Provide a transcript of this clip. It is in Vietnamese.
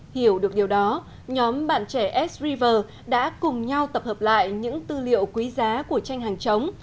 hiểu được điều đó nhóm bạn trẻ s river đã cùng nhau tập hợp lại những tư liệu quý giá của tranh hàng chống